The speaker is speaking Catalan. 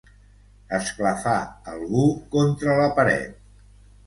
Esclafar algú contra la paret.